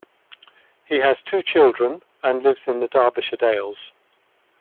He has two children and lives in the Derbyshire Dales.